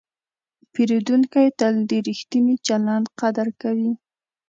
پیرودونکی تل د ریښتیني چلند قدر کوي.